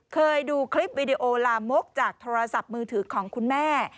เคยดูคลิปวิดีโอลามกจากโทรศัพท์มือถือของคุณแม่